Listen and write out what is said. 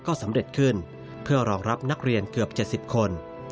ก็สำเร็จขึ้นเพื่อรองรับนักเรียนเกือบ๗๐คน